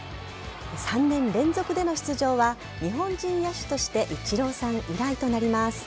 ３年連続での出場は日本人野手としてイチローさん以来となります。